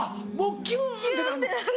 キュンってなる。